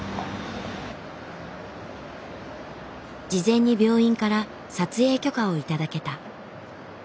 事前に病院から撮影許可を頂けた。